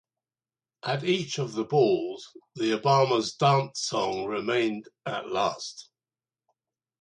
At each of the balls, the Obamas' dance song remained "At Last".